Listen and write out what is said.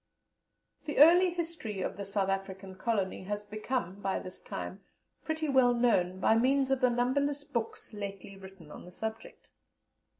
The early history of the South African Colony has become, by this time, pretty well known by means of the numberless books lately written on the subject.